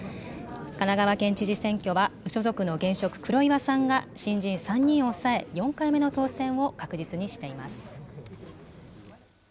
神奈川県知事選挙は、無所属の現職、黒岩さんが新人３人を抑え、４回目の当選を確実にしています。